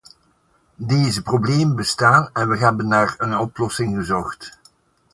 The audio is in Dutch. Deze problemen bestaan en we hebben naar een oplossing gezocht.